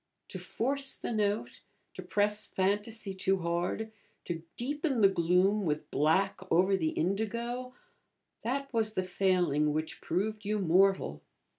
To force the note, to press fantasy too hard, to deepen the gloom with black over the indigo, that was the failing which proved you mortal.